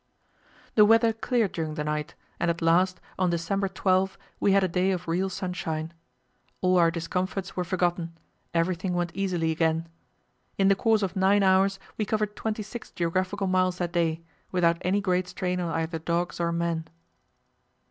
The weather cleared during the night, and at last, on December 12, we had a day of real sunshine. All our discomforts were forgotten; everything went easily again. In the course of nine hours we covered twenty six geographical miles that day, without any great strain on either dogs or men.